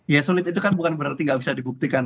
ya sulit itu kan bukan berarti nggak bisa dibuktikan